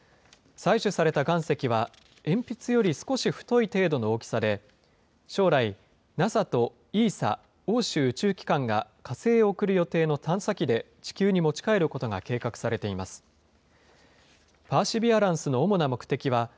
採取された岩石は、鉛筆より少し太い程度の大きさで、将来、ＮＡＳＡとＥＳＡ・欧州宇宙機関が火星に送る予定の探査機で地球に持ち帰ることが計画されています。